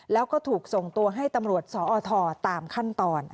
แล้วก็ถูกส่งตัวให้ตำรวจสอทตามขั้นตอน